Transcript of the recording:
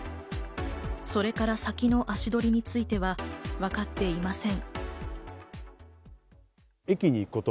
それから先の足取りについては分かっていません。